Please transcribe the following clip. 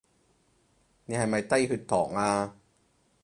你係咪低血糖呀？